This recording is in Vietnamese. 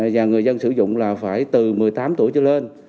và người dân sử dụng là phải từ một mươi tám tuổi trở lên